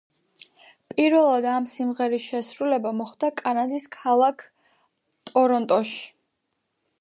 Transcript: პირველად ამ სიმღერის შესრულება მოხდა კანადის ქალაქი ტორონტოში.